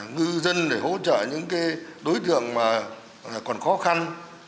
ngư dân để hỗ trợ những đối tượng còn khó khăn